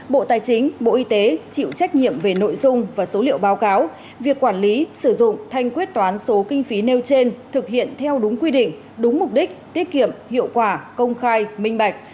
bộ tài chính bộ y tế chịu trách nhiệm về nội dung và số liệu báo cáo việc quản lý sử dụng thanh quyết toán số kinh phí nêu trên thực hiện theo đúng quy định đúng mục đích tiết kiệm hiệu quả công khai minh bạch